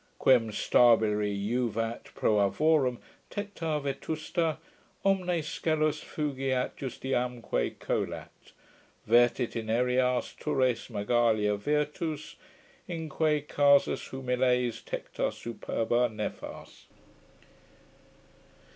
Quern stabilire juvat proavorum tecta vetusta, Omne scelus fugiat, justitiamque colat. Vertit in aerias turres magalia virtus, Inque casas humiles tecta superba nefas.